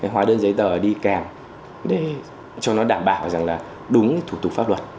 hóa đơn giấy tờ đi kèm để cho nó đảm bảo rằng là đúng thủ tục pháp luật